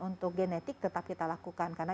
untuk genetik tetap kita lakukan karena